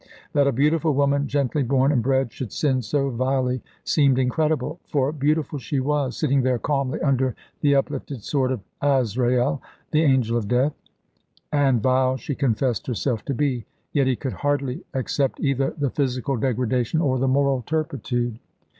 That a beautiful woman, gently born and bred, should sin so vilely seemed incredible. For beautiful she was, sitting there calmly under the uplifted sword of Azrael, the Angel of Death; and vile she confessed herself to be. Yet he could hardly accept either the physical degradation or the moral turpitude.